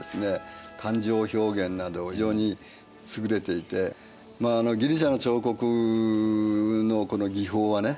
感情表現など非常にすぐれていてギリシアの彫刻のこの技法はね